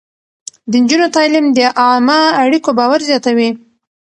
د نجونو تعليم د عامه اړيکو باور زياتوي.